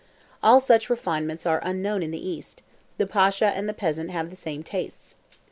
All such refinements are unknown in the East; the Pasha and the peasant have the same tastes.